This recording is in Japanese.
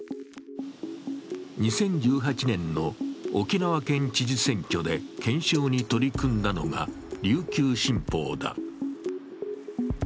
２０１８年の沖縄県知事選挙で検証に取り組んだのが「琉球新報」だ。